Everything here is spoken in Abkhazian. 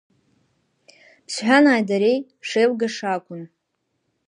Ԥсҳәанааи дареи шеилгаша акәын.